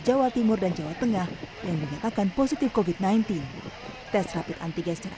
jawa timur dan jawa tengah yang menyatakan positif covid sembilan belas tes rapid antigen secara